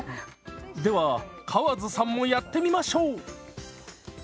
では川津さんもやってみましょう！